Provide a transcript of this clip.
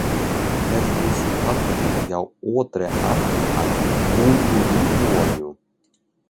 Mēs būsim atpakaļ jau otrajā aplī ar Bungu rīboņu!